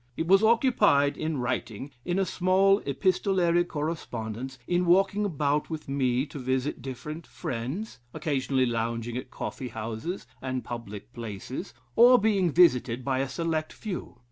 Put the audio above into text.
It was occupied in writing, in a small epistolary correspondence, in walking about with me to visit different friends, occasionally lounging at coffeehouses and public places, or being visited by a select few.